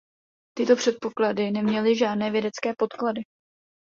Tyto předpoklady neměly žádné vědecké podklady.